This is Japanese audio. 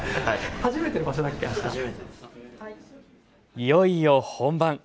いよいよ本番。